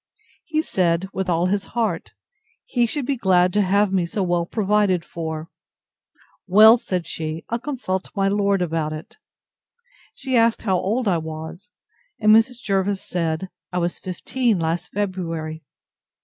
He said, with all his heart; he should be glad to have me so well provided for. Well, said she, I'll consult my lord about it. She asked how old I was; and Mrs. Jervis said, I was fifteen last February.